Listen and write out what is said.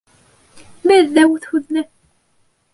Беҙ ҙә үҙ һүҙле.